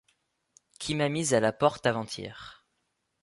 qui m’a mise à la porte avant-hier.